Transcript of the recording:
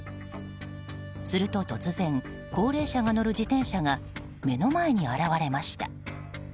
すると突然高齢者が乗る自転車が目の前に現れました。